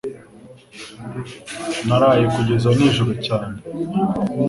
Naraye kugeza nijoro cyane.